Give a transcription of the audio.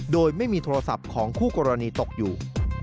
โดยไม่มีโทรศัพท์ของคู่กรณีตกอยู่